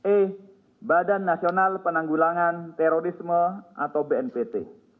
e badan nasional penanggulangan terorisme atau bnpt